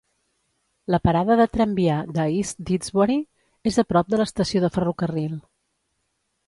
La parada de tramvia de East Didsbury és a prop de l'estació de ferrocarril.